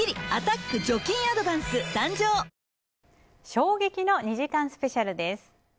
衝撃の２時間スペシャルです。